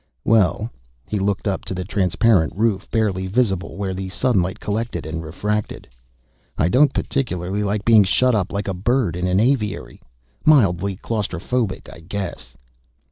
"Well," he looked up to the transparent roof, barely visible where the sunlight collected and refracted, "I don't particularly like being shut up like a bird in an aviary.... Mildly claustrophobic, I guess."